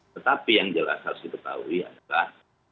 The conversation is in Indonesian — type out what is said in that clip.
tetapi yang jelas harus diketahui adalah